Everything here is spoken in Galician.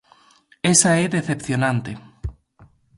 Esa é decepcionante.